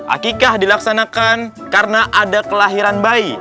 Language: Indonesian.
akikah dilaksanakan karena ada kelahiran bayi